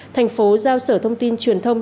thành phố giao sở thông tin truyền thông